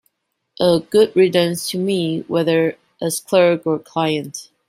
A good riddance to me, whether as clerk or client!